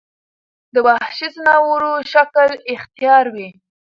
د وحشي ځناور شکل اختيار وي